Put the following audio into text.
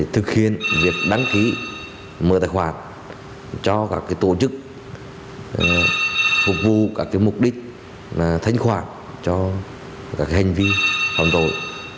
thực hiện việc đăng ký mở tài khoản cho các cái tổ chức phục vụ các cái mục đích là thanh khoản cho các cái hành vi phòng tội